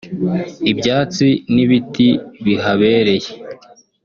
ibyatsi n’ibiti bihabereye